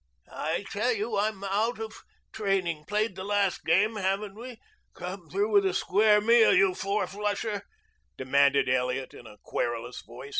"I tell you I'm out of training. Played the last game, haven't we? Come through with a square meal, you four flusher," demanded Elliot in a querulous voice.